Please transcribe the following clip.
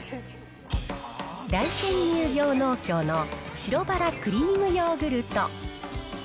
大山乳業農協の白バラクリームヨーグルト。